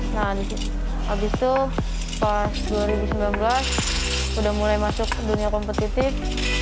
nah abis itu pas dua ribu sembilan belas udah mulai masuk dunia kompetitif